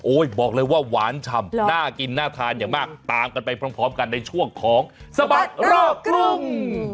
บอกเลยว่าหวานชำน่ากินน่าทานอย่างมากตามกันไปพร้อมกันในช่วงของสบัดรอบกรุง